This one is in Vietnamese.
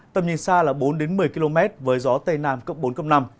tầm nhìn xa là bốn một mươi km với gió tây nam cấp bốn năm